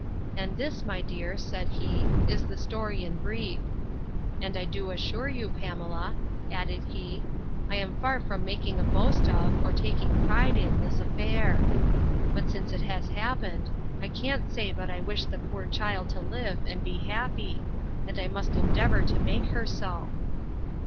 And this, my dear, said he, is the story in brief. And I do assure you, Pamela, added he, I am far from making a boast of, or taking a pride in, this affair: But since it has happened, I can't say but I wish the poor child to live, and be happy; and I must endeavour to make her so.